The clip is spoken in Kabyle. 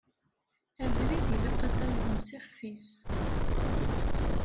Abrid ilaq ad tawḍem s ixef-is.